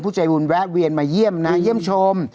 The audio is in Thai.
ใจบุญแวะเวียนมาเยี่ยมนะเยี่ยมชม